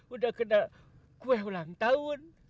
udah kena kue ulang tahun